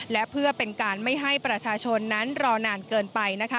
และเพื่อเป็นการไม่ให้ประชาชนนั้นรอนานเกินไปนะคะ